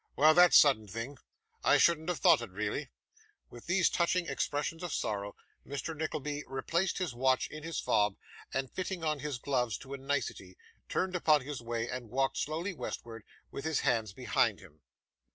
Well, that's sudden thing. I shouldn't have thought it, really.' With these touching expressions of sorrow, Mr Nickleby replaced his watch in his fob, and, fitting on his gloves to a nicety, turned upon his way, and walked slowly westward with his hands behind him.